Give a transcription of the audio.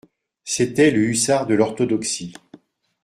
C'était le hussard de l'orthodoxie …